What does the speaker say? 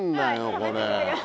これ。